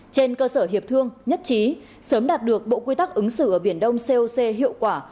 trên cơ sở hiệp thương nhất trí sớm đạt được bộ quy tắc ứng xử ở biển đông coc hiệu quả